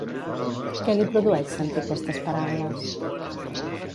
Què li produeix sentir aquestes paraules?